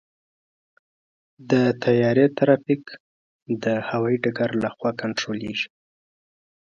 د طیارې ټرافیک د هوايي ډګر لخوا کنټرولېږي.